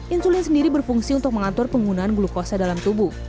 insulin sendiri berfungsi untuk mengatur penggunaan glukosa dalam tubuh